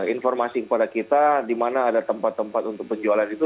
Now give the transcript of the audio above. informasi kepada kita di mana ada tempat tempat untuk penjualan itu